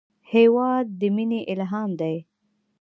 هېواد د مینې الهام دی.